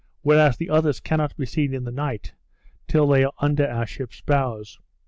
Whereas the others cannot be seen in the night, till they are under the ship's bows.